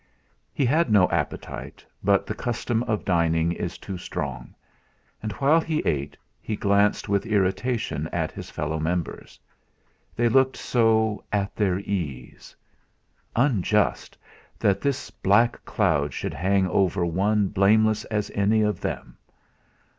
He had no appetite, but the custom of dining is too strong. And while he ate, he glanced with irritation at his fellow members. They looked so at their ease. Unjust that this black cloud should hang over one blameless as any of them!